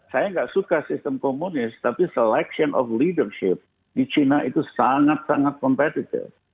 saya nggak suka sistem komunis tapi selection of leadership di china itu sangat sangat competited